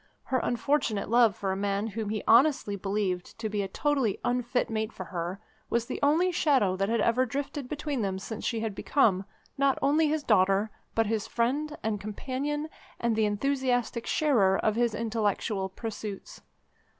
Her unfortunate love for a man whom he honestly believed to be a totally unfit mate for her was the only shadow that had ever drifted between them since she had become, not only his daughter, but his friend and companion, and the enthusiastic sharer of his intellectual pursuits.